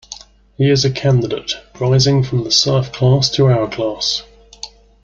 He is a candidate, rising from the serf class to our class.